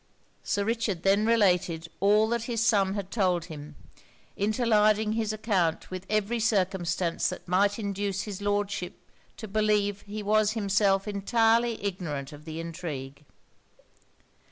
Sir Richard then related all that his son had told him; interlarding his account with every circumstance that might induce his Lordship to believe he was himself entirely ignorant of the intrigue.